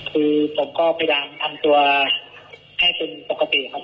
คือผมก็ไปดังทำตัวแค่ถึงปกติครับ